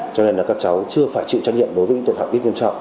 cho nên là các cháu chưa phải chịu trách nhiệm đối với tội hạng ít nguyên trọng